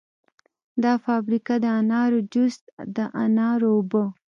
دا فابریکه د انارو جوس، د انارو اوبه